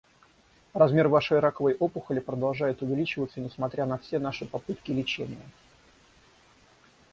Размер вашей раковой опухоли продолжает увеличиваться несмотря на все наши попытки лечения.